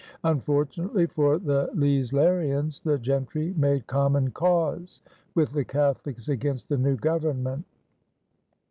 Unfortunately for the Leislerians "the gentry" made common cause with the Catholics against the new Government.